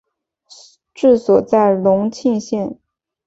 治所在荣懿县。